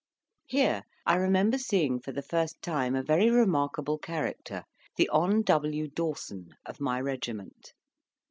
Here, I remember seeing for the first time a very remarkable character, the Hon. W. Dawson, of my regiment.